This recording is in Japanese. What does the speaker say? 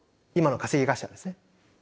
今の稼ぎ頭ですね。